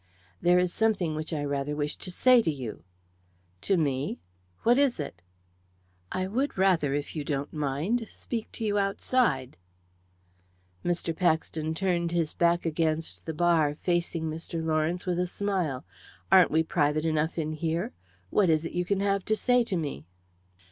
"There is something which I rather wish to say to you." "To me? What is it?" "I would rather, if you don't mind, speak to you outside." Mr. Paxton turned his back against the bar facing Mr. Lawrence with a smile. "Aren't we private enough in here? What is it you can have to say to me?"